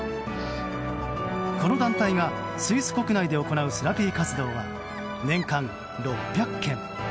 この団体がスイス国内で行うセラピー活動は年間６００件。